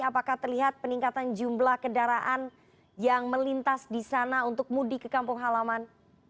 apakah terlihat peningkatan jumlah kendaraan yang melintas di sana untuk mudik ke kampung halaman